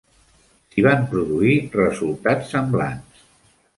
S'hi van produir resultats semblants.